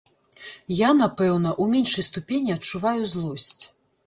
Я, напэўна, у меншай ступені адчуваю злосць.